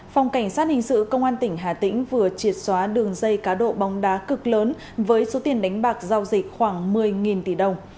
phòng cảnh sát hình sự công an tỉnh hà tĩnh vừa triệt xóa đường dây cá độ bóng đá cực lớn với số tiền đánh bạc giao dịch khoảng một mươi tỷ đồng